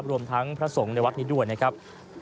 รวมทั้งพระสงฆ์ในวัดนี้ด้วยนะครับ